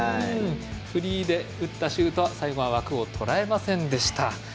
フリーで打ったシュートは最後は枠をとらえませんでした。